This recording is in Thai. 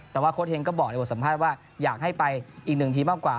แต่ว่าโค้ดเฮงก็บอกในบทสัมภาษณ์ว่าอยากให้ไปอีกหนึ่งทีมมากกว่า